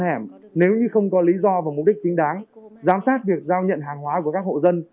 hẻm nếu như không có lý do và mục đích chính đáng giám sát việc giao nhận hàng hóa của các hộ dân